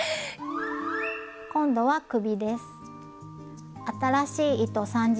今度は首です。